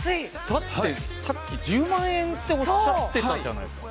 だってさっき１０万円っておっしゃってたじゃないすか